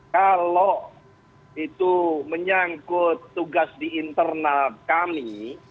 kalau itu menyangkut tugas di internal kami